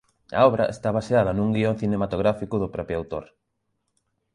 A obra está baseada nun guión cinematográfico do propio autor.